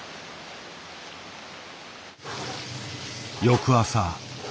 翌朝。